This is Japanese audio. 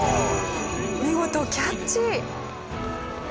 見事キャッチ！